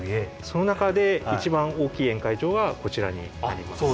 その中で一番大きい宴会場がこちらになります。